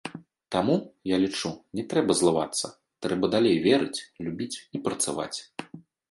Таму, я лічу, не трэба злавацца, трэба далей верыць, любіць і працаваць.